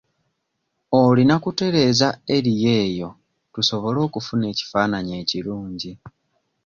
Oyina kutereeza eriyo eyo tusobole okufuna ekifaananyi ekirungi.